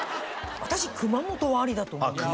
私熊本はありだと思う。